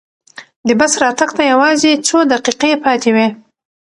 د بس راتګ ته یوازې څو دقیقې پاتې وې.